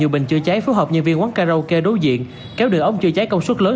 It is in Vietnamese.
bình chữa cháy phù hợp nhân viên quán karaoke đối diện kéo đường ống chữa cháy công suất lớn